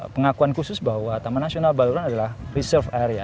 pengakuan khusus bahwa taman nasional baluran adalah reserve area